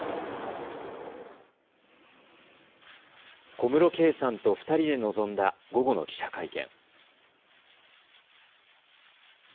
小室圭さんと２人で臨んだ午後の記者会見。